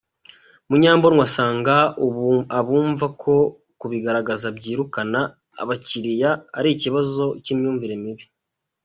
Munyambonwa asanga abumva ko kubigaragaza byirukana abakiriya ari ikibazo cy’imyumvire mibi.